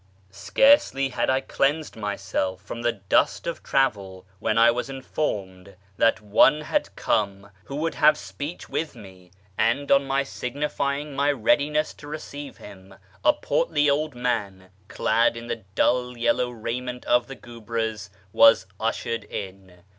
Scarcely had I cleansed myself from the dust of travel, when I was informed that one had come who would have speech with me ; and on my signifying my readiness to receive him, a portly old man, clad in the dull yellow raiment of the guebres, was ushered in.